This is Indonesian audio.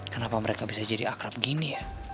kenapa mereka bisa jadi akrab gini ya